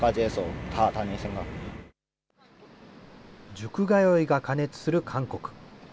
塾通いが過熱する韓国。